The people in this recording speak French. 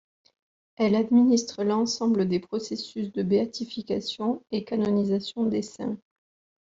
Elle administre l'ensemble des processus de béatification et canonisation des saints.